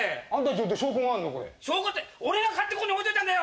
俺が買ってここに置いといたんだよ！